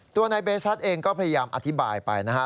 ตัวนายเบซัสเองก็พยายามอธิบายไปนะฮะ